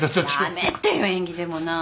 やめてよ縁起でもない。